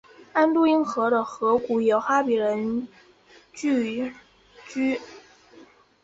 安都因河的河谷有哈比人聚居。